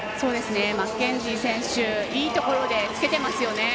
マッケンジー選手いいところでつけてますよね。